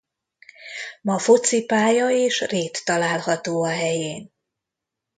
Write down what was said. Ma focipálya és rét található a helyén.